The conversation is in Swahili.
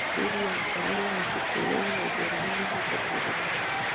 dhidi ya utawala wa kikoloni wa Ujerumani huko Tanganyika